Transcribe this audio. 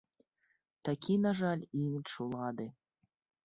Такі, на жаль, імідж улады.